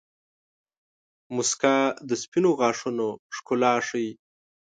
• مسکا د سپینو غاښونو ښکلا ښيي.